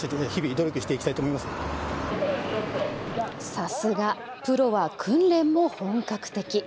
さすがプロは訓練も本格的。